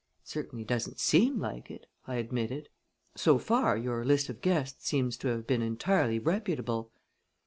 "It certainly doesn't seem like it," I admitted. "So far, your list of guests seems to have been entirely reputable."